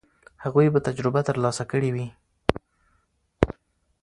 هغوی به تجربه ترلاسه کړې وي.